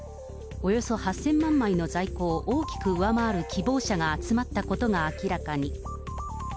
およそ８０００万枚の在庫を大きく上回る希望者が集まったことが明らかに。